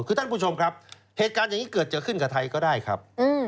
คือท่านผู้ชมครับเหตุการณ์อย่างนี้เกิดจะขึ้นกับไทยก็ได้ครับ